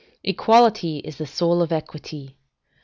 Equality is the soul of equity.